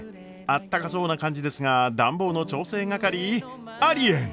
あったかそうな感じですが暖房の調整係？ありえん！